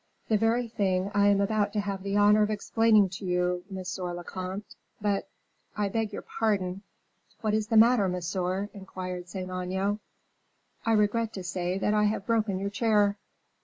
"The very thing I am about to have the honor of explaining to you, monsieur le comte; but, I beg your pardon " "What is the matter, monsieur?" inquired Saint Aignan. "I regret to say that I have broken your chair."